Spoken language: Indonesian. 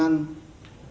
ada dua istri mencoba iklan